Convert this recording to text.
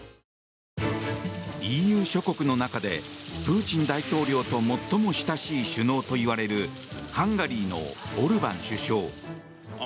ＥＵ諸国の中でプーチン大統領と最も親しい首脳といわれるハンガリーのオルバン首相。